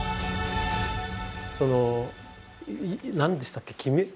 その何でしたっけ？